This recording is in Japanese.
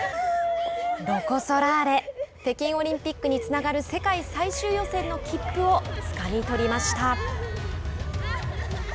ロコ・ソラーレ北京オリンピックにつながる世界最終予選の切符をつかみ取りました。